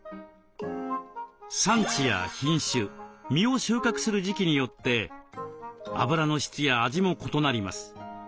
産地や品種実を収穫する時期によってあぶらの質や味も異なります。